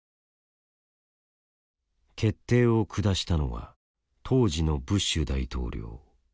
決定を下したのは当時のブッシュ大統領。